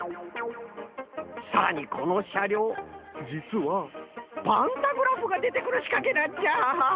さらにこのしゃりょうじつはパンタグラフがでてくるしかけなんじゃ！